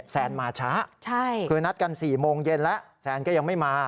แซนมาช้าคือนัดกัน๔โมงเย็นแล้วแซนก็ยังไม่มา